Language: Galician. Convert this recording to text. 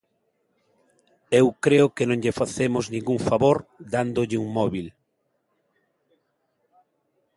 Eu creo que non lle facemos ningún favor dándolle un móbil.